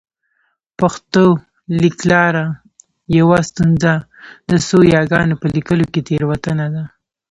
پښتو لیکلار یوه ستونزه د څو یاګانو په لیکلو کې تېروتنه ده